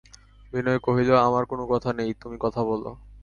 বিনয় কহিল, আমার কোনো কথা নেই, তুমি কথা বলো।